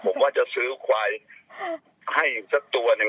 ผมก็จะซื้อควายให้สักตัวนึงอ่ะ